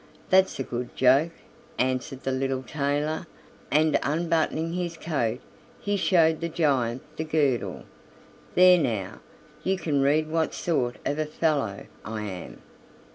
"That's a good joke," answered the little tailor, and unbuttoning his coat he showed the giant the girdle. "There now, you can read what sort of a fellow I am."